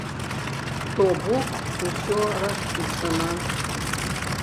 То бок усё распісана.